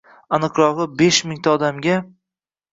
Aniqrogʻi, besh mingta odamga.